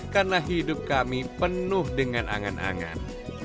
karena hidup kami penuh dengan angan angan